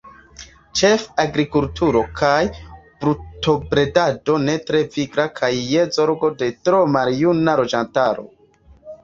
Ĉefe agrikulturo kaj brutobredado ne tre vigla kaj je zorgo de tro maljuna loĝantaro.